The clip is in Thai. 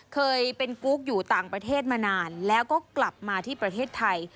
เคยเป็นกุ๊กอยู่ต่างประเทศมานานแล้วก็กลับมาที่ประเทศไทย